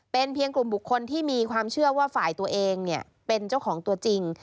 เป็นเพียงกลุ่มบุคคลที่มีความเชื่อว่าฝ่ายตัวเองเป็นเจ้าของตัวจริง